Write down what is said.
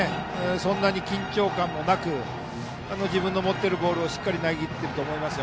そんなに緊張感もなく自分の持っているボールをしっかり投げきっていると思います。